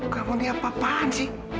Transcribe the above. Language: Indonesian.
kamu lihat apaan sih